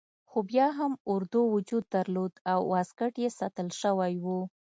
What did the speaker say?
خو بیا هم اردو وجود درلود او اسکلیت یې ساتل شوی وو.